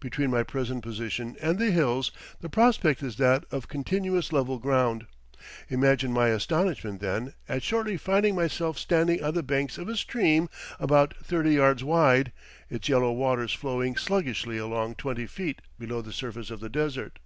Between my present position and the hills the prospect is that of continuous level ground. Imagine my astonishment, then, at shortly finding myself standing on the bank of a stream about thirty yards wide, its yellow waters flowing sluggishly along twenty feet below the surface of the desert.